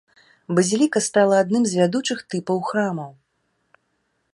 Базіліка стала адным з вядучых тыпаў храмаў.